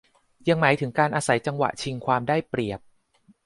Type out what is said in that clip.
ยังหมายถึงการอาศัยจังหวะชิงความได้เปรียบ